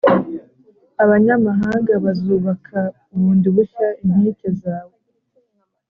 abanyamahanga bazubaka bundi bushya inkike zawe,